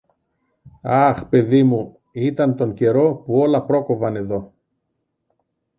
Αχ, παιδί μου, ήταν τον καιρό που όλα πρόκοβαν εδώ!